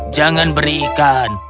jangan beri ikan